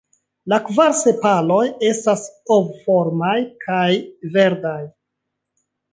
La kvar sepaloj estas ovformaj kaj verdaj.